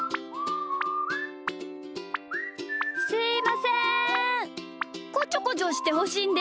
すいません。